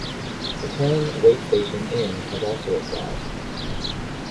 The term Weight Station Inn has also applied.